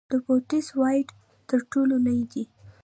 د بوټس وایډ تر ټولو لوی دی.